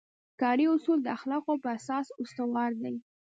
کاري اصول د اخلاقو په اساس استوار دي.